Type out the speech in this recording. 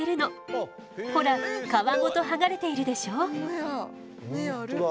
ほら皮ごとはがれているでしょ？